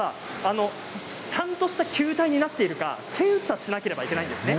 ちゃんとした球体になっているか検査しなければいけないんですね。